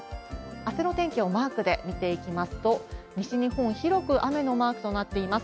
あすの天気をマークで見ていきますと、西日本、広く雨のマークとなっています。